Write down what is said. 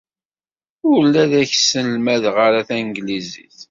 Ur la ak-sselmadeɣ ara tanglizit.